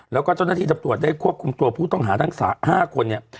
แล้วก็เจ้าหน้าที่ตำรวจได้ควบคุมตัวผู้ต้องหาทั้ง๕คนเนี่ย